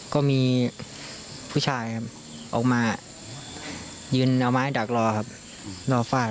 ก็มีผู้ชายครับออกมายืนเอาไม้ดักรอครับรอฟาด